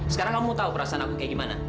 sekarang kamu tahu perasaan aku kayak gimana